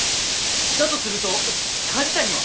だとすると梶谷は？